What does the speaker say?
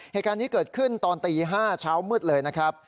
เหตุการณ์นี้เกิดขึ้นตอนตี๕เช้ามืดเลยนะครับ